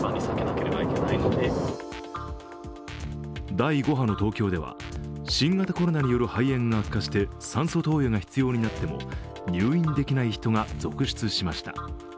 第５波の東京では新型コロナによる肺炎が悪化して酸素投与が必要になっても入院できない人が続出しました。